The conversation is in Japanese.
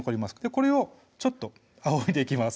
これをちょっとあおいでいきます